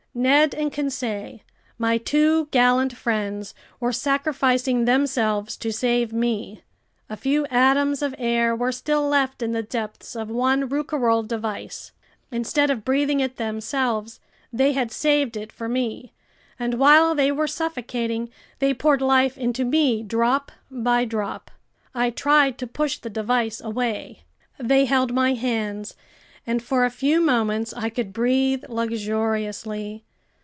Ned and Conseil, my two gallant friends, were sacrificing themselves to save me. A few atoms of air were still left in the depths of one Rouquayrol device. Instead of breathing it themselves, they had saved it for me, and while they were suffocating, they poured life into me drop by drop! I tried to push the device away. They held my hands, and for a few moments I could breathe luxuriously.